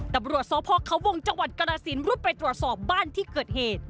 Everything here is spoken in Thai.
ตำรวจสพเขาวงจังหวัดกรสินรุดไปตรวจสอบบ้านที่เกิดเหตุ